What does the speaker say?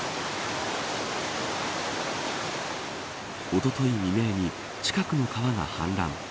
おととい未明に近くの川が氾濫。